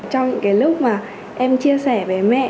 trong những cái lúc mà em chia sẻ với mẹ